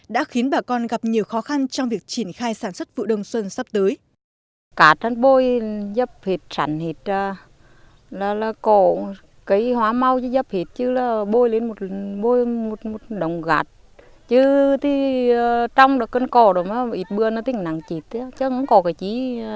đã khiến bà con gặp nhiều khó khăn trong việc triển khai sản xuất vụ đông xuân sắp tới